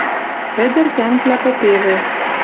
Ӹдӹр тӓнгвлӓ попевӹ